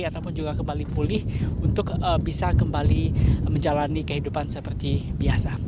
ataupun juga kembali pulih untuk bisa kembali menjalani kehidupan seperti biasa